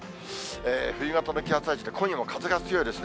冬型の気圧配置で、今夜も風が強いですね。